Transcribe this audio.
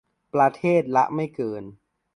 ประเทศละไม่เกิน